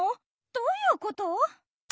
どういうこと？